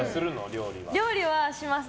料理はします。